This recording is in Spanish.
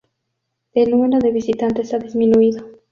El número de visitantes ha disminuido.